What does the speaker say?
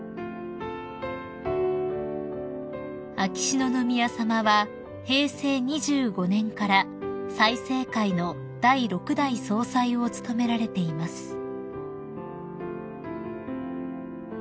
［秋篠宮さまは平成２５年から済生会の第六代総裁を務められています］